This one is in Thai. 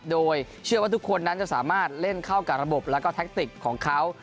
โดยเชื่อว่าทุกคนนั้นจะสามารถเล่นเข้ากับระบบแล้วก็แท็กติกของเขา